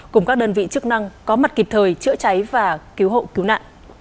cùng các đơn vị chức năng có mặt kịp thời chữa cháy và cứu hộ cứu nạn